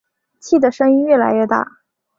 气的声音越来越大